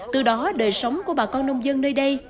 từ đó đời sống của bà con nông dân nơi đây